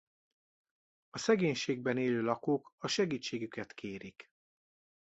A szegénységben élő lakók a segítségüket kérik.